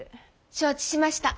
承知しました。